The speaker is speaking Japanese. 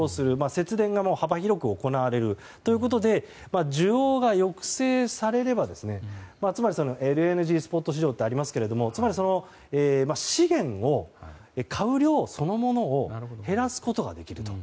節電が幅広く行われるということで需要が抑制されればつまり、ＬＮＧスポット市場ってありますけどつまり、資源を買う量そのものを減らすことができると。